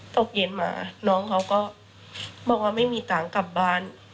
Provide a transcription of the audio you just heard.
ตกเย็นมาน้องเขาก็บอกว่าไม่มีตังค์กลับบ้าน